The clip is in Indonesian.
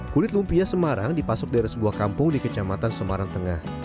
kulit lumpia semarang dipasok dari sebuah kampung di kecamatan semarang tengah